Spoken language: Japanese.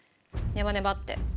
ネバネバって。